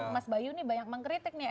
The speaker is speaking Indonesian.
mas bayu nih banyak mengkritik nih